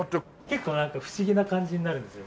結構なんか不思議な感じになるんですよ。